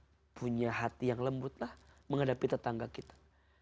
untuk lebih punya hati yang lembutlah menghadapi tetangga kita